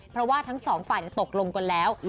เพราะว่าทั้งสองฝ่ายเนี่ยตกลงกว่าแล้ว